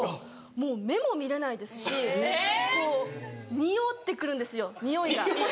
もう目も見れないですしこう匂ってくるんですよ匂いが。